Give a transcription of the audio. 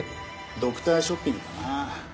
ドクターショッピングだな。